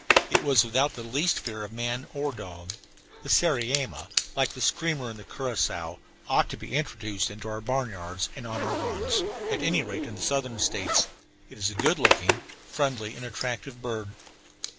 It was without the least fear of man or dog. The sariema (like the screamer and the curassow) ought to be introduced into our barnyards and on our lawns, at any rate in the Southern States; it is a good looking, friendly, and attractive bird.